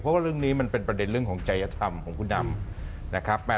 เพราะว่าเรื่องนี้เป็นประเด็นเรื่องของใจยธรรมของคุณนำ